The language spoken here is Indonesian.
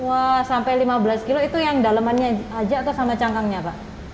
dua sampai lima belas kilo itu yang dalemannya aja atau sama cangkangnya pak